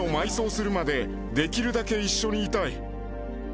娘を埋葬するまで、できるだけ一緒にいたい。